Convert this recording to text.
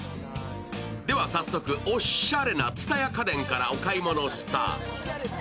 では早速おっしゃれな蔦屋家電からお買い物スタート。